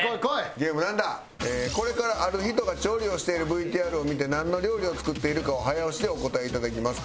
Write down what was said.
これからある人が調理をしているＶＴＲを見てなんの料理を作っているかを早押しでお答えいただきます。